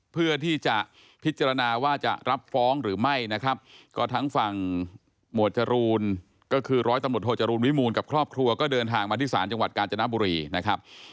เพื่อที่จะพิจารณาว่าจะรับฟ้องหรือไม่นะครับก็ทั้งฝั่งหมวดจรูนก็คือร้อยตำรวจโทจรูลวิมูลกับครอบครัวก็เดินทางมาที่ศาลจังหวัดกาญจนบุรีนะครับ